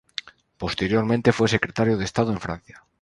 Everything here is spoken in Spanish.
Posteriormente fue Secretario de Estado en Francia.